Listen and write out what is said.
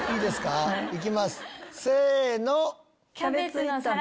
いきますせの！